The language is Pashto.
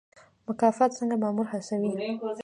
مکافات څنګه مامور هڅوي؟